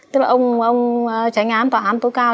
tức là ông tránh án tòa án tối cao